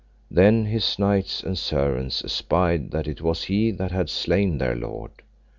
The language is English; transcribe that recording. Then his knights and servants espied that it was he that had slain their lord.